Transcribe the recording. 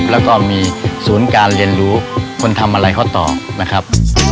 แล้วก็มีศูนย์การเรียนรู้คนทำอะไรเขาต่อนะครับ